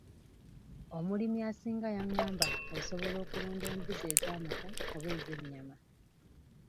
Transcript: Omulimi asinga yangamba osobola okulunda embuzi ez'amata oba ez'ennyama.